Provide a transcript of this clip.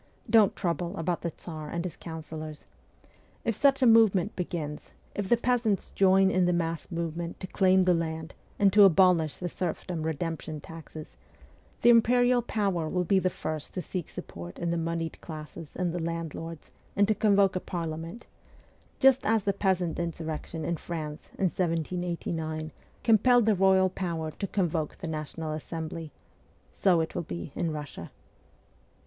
'Don't trouble about the Tsar and his counsellors. If such a movement begins, if the peasants join in the mass movement to claim the land and to abolish the serfdom redemption taxes, the imperial power will be the first to seek support in the moneyed classes and the landlords and to convoke a Parliament just as the peasant insurrection in France in 1789 compelled the royal power to convoke the National Assembly ; so it will be in Russia.'